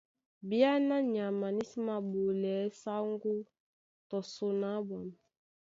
Bìáná nyama ní sí māɓolɛɛ́ sáŋgó tɔ son á ɓwǎm̀.